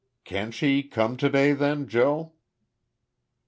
"Can't she come to day then, Joe?"